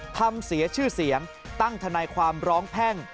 เสียชื่อเสียงตั้งทนายความร้องแพ่ง